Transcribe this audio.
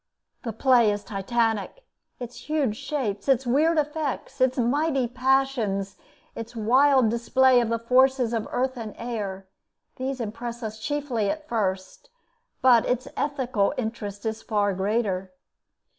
The play is Titanic. Its huge shapes, its weird effects, its mighty passions, its wild display of the forces of earth and air, these impress us chiefly at first; but its ethical interest is far greater.